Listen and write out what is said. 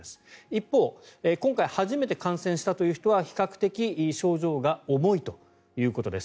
一方今回初めて感染したという人は比較的、症状が重いということです。